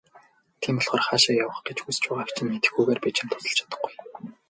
Тийм болохоор хаашаа явах гэж хүс байгааг чинь мэдэхгүйгээр би чамд тусалж чадахгүй.